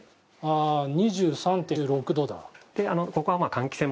２３．６度だ。